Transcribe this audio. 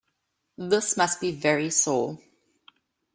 This must be very sore.